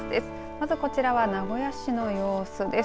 まずこちら名古屋市の様子です。